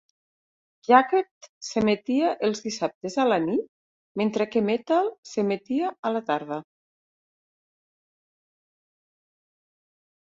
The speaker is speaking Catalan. Jakked s'emetia els dissabtes a la nit, mentre que Metal s'emetia a la tarda.